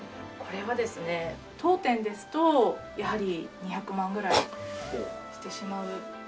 これはですね当店ですとやはり２００万ぐらいしてしまう。